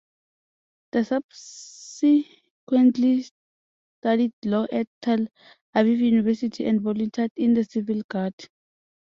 He subsequently studied law at Tel Aviv University and volunteered in the Civil Guard.